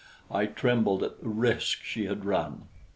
I trembled at the risk she had run.